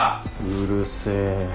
うるせえ。